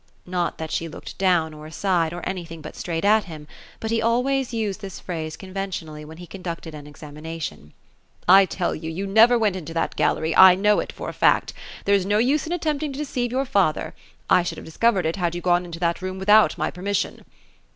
'' Not that she looked down, or aside, or anj thing but straight at him ; but he always used this phrase conventionally, when he conducted an examination. "I tell you, you never went into that gallery ; I know it for a fact There's no use in attempting to deceive your father. I should have discovered it, bad you gone into that room without my permission."